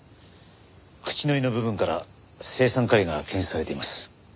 口糊の部分から青酸カリが検出されています。